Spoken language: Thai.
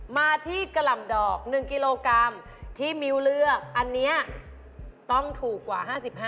มาที่กะหล่ำดอก๑กิโลกรัมที่มิ้วเลือกอันนี้ต้องถูกกว่า๕๕